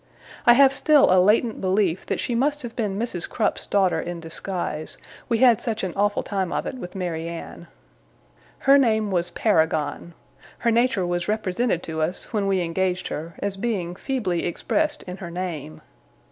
I have still a latent belief that she must have been Mrs. Crupp's daughter in disguise, we had such an awful time of it with Mary Anne. Her name was Paragon. Her nature was represented to us, when we engaged her, as being feebly expressed in her name.